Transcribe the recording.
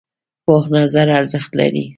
پوخ نظر ارزښت لري